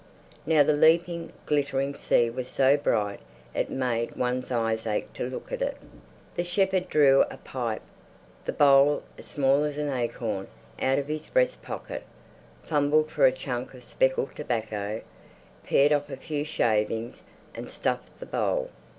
Now the leaping, glittering sea was so bright it made one's eyes ache to look at it. The shepherd drew a pipe, the bowl as small as an acorn, out of his breast pocket, fumbled for a chunk of speckled tobacco, pared off a few shavings and stuffed the bowl.